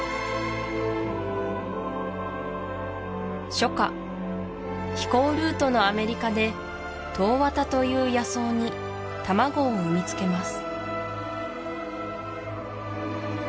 初夏飛行ルートのアメリカでトウワタという野草に卵を産みつけます